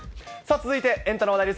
続いて、エンタの話題です。